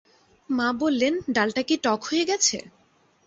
মা বললেন, ডালটা কি টক হয়ে গেছে?